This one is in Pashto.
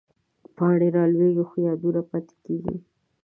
پاڼې رالوېږي، خو یادونه پاتې کېږي